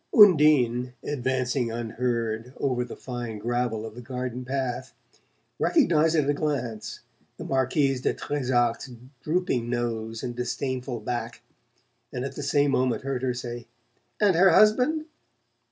Undine, advancing unheard over the fine gravel of the garden path, recognized at a glance the Marquise de Trezac's drooping nose and disdainful back, and at the same moment heard her say: " And her husband?"